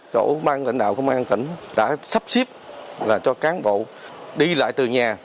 cổ ban lãnh đạo công an tỉnh đã sắp xếp cho cán bộ đi lại từ nhà